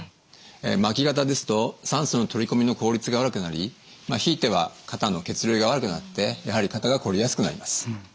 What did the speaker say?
巻き肩ですと酸素の取り込みの効率が悪くなりひいては肩の血流が悪くなってやはり肩がこりやすくなります。